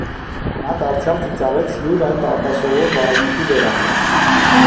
Նա դարձյալ ծիծաղեց յուր այդ արտասովոր վարմունքի վերա: